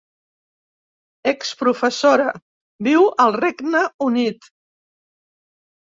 Exprofessora, viu al Regne Unit.